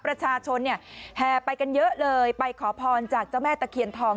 ประชาชนเนี่ยแห่ไปกันเยอะเลยไปขอพรจากเจ้าแม่ตะเคียนทอง